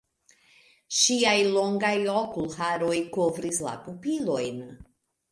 Ŝiaj longaj okulharoj kovris la pupilojn.